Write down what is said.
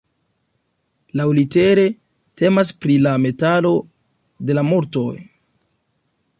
Laŭlitere, temas pri la metalo de la mortoj.